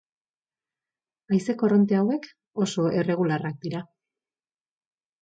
Haize korronte hauek oso erregularrak dira.